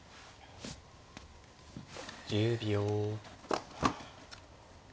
１０秒。